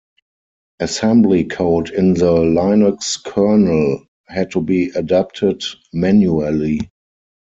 Assembly code in the Linux kernel had to be adapted manually.